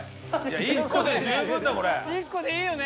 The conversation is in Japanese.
１個でいいよね。